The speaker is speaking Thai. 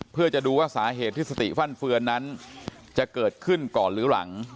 เพื่อจะดูว่าสาเหตุที่สติฟั่นเฟือนนั้นจะเกิดขึ้นก่อนหรือหลัง